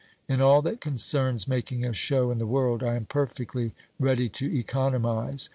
In all that concerns making a show in the world, I am perfectly ready to economize.